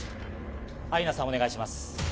アイナさん、お願いします。